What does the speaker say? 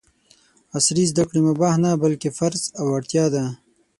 عصري زده کړې مباح نه ، بلکې فرض او اړتیا ده!